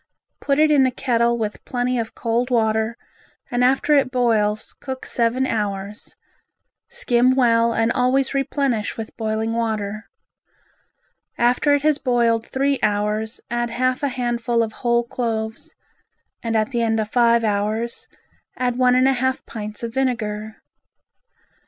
Put it in a kettle with plenty of cold water and after it boils cook seven hours, skim well and always replenish with boiling water. After it has boiled three hours add half a handful of whole cloves and at the end of five hours add one and a half pints of vinegar.